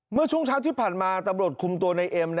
เมื่อช่วงเช้าที่ผ่านมาตำรวจคุมตัวในเอ็ม